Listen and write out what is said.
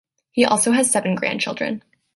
He also has seven grandchildren.